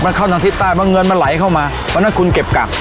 มันเข้าทางทิศใต้เพราะเงินมันไหลเข้ามาเพราะฉะนั้นคุณเก็บกัก